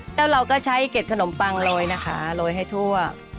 แล้วเราก็ใช้เกร็ดขนมปังโรยนะคะโรยให้ทั่ว